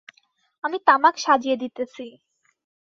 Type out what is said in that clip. আমি তামাক সাজিয়ে দিতেছি।